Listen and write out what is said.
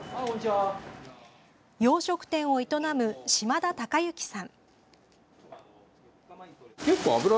洋食店を営む島田孝之さん。